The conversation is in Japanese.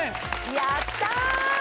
やった！